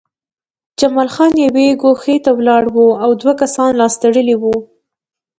جمال خان یوې ګوښې ته ولاړ و او دوه کسان لاس تړلي وو